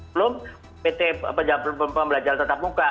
belum pt pembelajaran tetap muka